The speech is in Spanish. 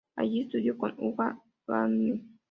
Allí estudió con Uta Hagen.